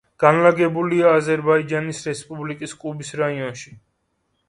განლაგებულია აზერბაიჯანის რესპუბლიკის კუბის რაიონში.